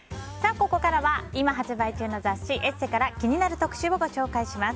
ここからは今発売中の雑誌「ＥＳＳＥ」から気になる特集をご紹介します。